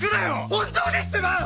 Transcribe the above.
本当ですってば！